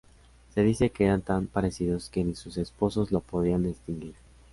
Se dice que eran tan parecidos que ni sus esposas los podían distinguir.